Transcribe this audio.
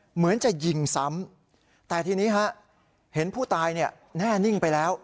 เหมือนจะยิงซ้ำแต่ทีนี้ฮะเห็นผู้ตายเนี่ยแน่นิ่งไปแล้ว